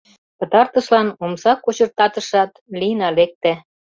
Пытартышлан омса кочыртатышат, Лина лекте.